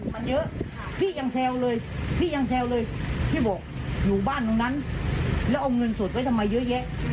มันเยอะพี่ยังแซวเลยพี่ยังแซวเลยพี่บอกอยู่บ้านตรงนั้นแล้วเอาเงินสดไว้ทำไมเยอะแยะ